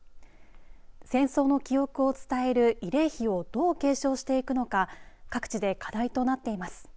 戦争の記憶を伝える慰霊碑をどう継承していくのか各地で課題となっています。